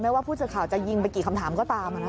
ว่าผู้สื่อข่าวจะยิงไปกี่คำถามก็ตาม